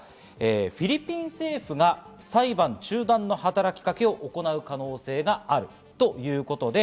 フィリピン政府が裁判中断の働きかけを行う可能性があるということです。